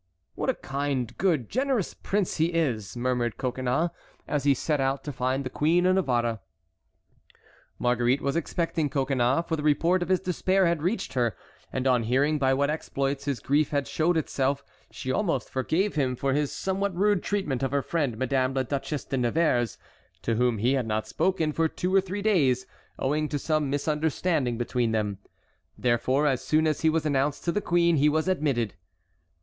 "What a kind, good, generous prince he is!" murmured Coconnas as he set out to find the Queen of Navarre. Marguerite was expecting Coconnas, for the report of his despair had reached her, and on hearing by what exploits his grief had showed itself she almost forgave him for his somewhat rude treatment of her friend Madame la Duchesse de Nevers, to whom he had not spoken for two or three days, owing to some misunderstanding between them. Therefore as soon as he was announced to the queen he was admitted.